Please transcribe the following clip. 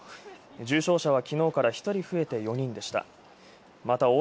重症者は、きのうから１人増えて４人でした。